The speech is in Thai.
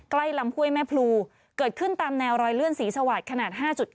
ใกล้ลำเข้วยแมฺ่ลูเกิดขึ้นตามแนวรอยเลื่อนศรีสวัสดิ์ขนาด๕๙